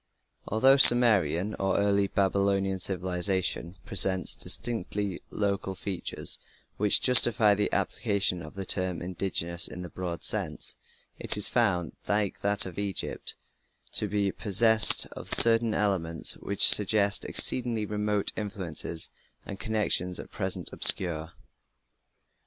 Although Sumerian (early Babylonian) civilization presents distinctively local features which justify the application of the term "indigenous" in the broad sense, it is found, like that of Egypt, to be possessed of certain elements which suggest exceedingly remote influences and connections at present obscure.